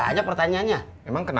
masih banyak pertanyaannya emang kenapa